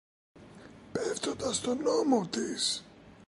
πέφτοντας στον ώμο της